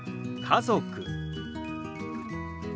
家族。